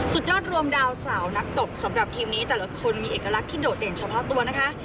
สุดยอดรวมดาวสาวนักตบสำหรับทีมนี้แต่ละคนมีเอกลักษณ์ที่โดดเด่นเฉพาะตัวนะคะ